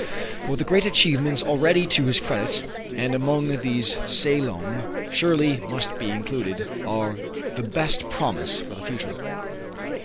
For the great achievements already to his credit, and among these "Salome" surely must be included, are the best promise for the future.